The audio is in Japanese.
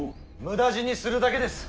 無駄死にするだけです。